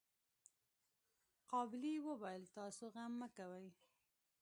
قابلې وويل تاسو غم مه کوئ.